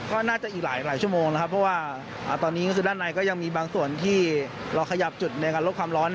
ก็น่าจะอีกหลายชั่วโมงนะครับเพราะว่าตอนนี้ก็คือด้านในก็ยังมีบางส่วนที่เราขยับจุดในการลดความร้อน